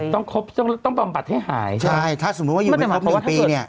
ครบต้องต้องบำบัดให้หายใช่ถ้าสมมุติว่าอยู่ไม่ครบหนึ่งปีเนี่ย